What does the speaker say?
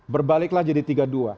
berbaliklah jadi tiga dua